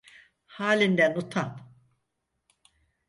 Halinden utan!